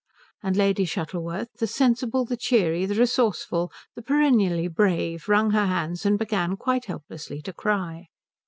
And Lady Shuttleworth, the sensible, the cheery, the resourceful, the perennially brave, wrung her hands and began quite helplessly to cry.